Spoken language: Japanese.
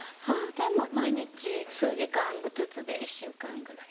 でも毎日数時間ずつで１週間ぐらい。